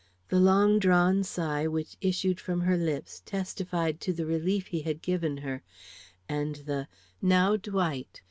The long drawn sigh which issued from her lips testified to the relief he had given her, and the "Now Dwight!"